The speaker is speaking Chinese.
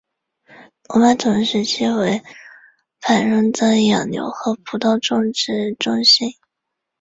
罗马统治时期为繁荣的养牛和葡萄种植中心。